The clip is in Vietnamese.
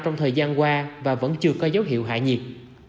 trong thời gian qua và vẫn chưa có dấu hiệu hạ nhiệt